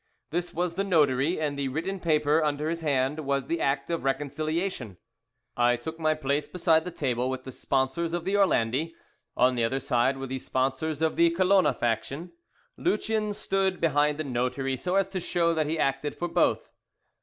This was the notary, and the written paper under his hand was the act of reconciliation. I took my place beside the table with the sponsors of the Orlandi. On the other sida were the sponsors of the Colona faction. Lucien stood behind the notary so as to show that he acted for both.